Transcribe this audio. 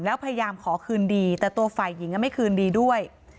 แล้วพยายามขอคืนดีแต่ตัวฝ่ายหญิงไม่คืนดีด้วย